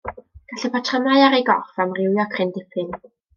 Gall y patrymau ar ei gorff amrywio cryn dipyn.